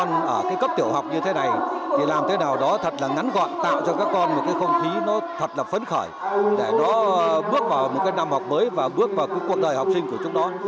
nó bước vào một năm học mới và bước vào cuộc đời học sinh của chúng đó